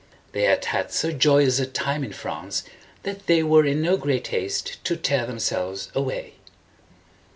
They had had so joyous a time in France that they were in no great haste to tear them selves away.